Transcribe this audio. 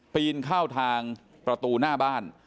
ปีนเข้าทางประตูหน้าบ้าน